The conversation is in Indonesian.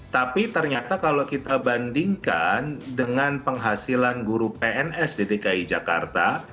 tapi ternyata kalau kita bandingkan dengan penghasilan guru pns di dki jakarta